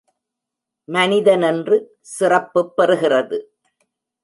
மனிதனென்று சிறப்புப் பெறுகிறது.